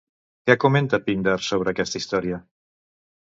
Què comenta Píndar sobre aquesta història?